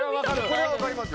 これはわかりますよ。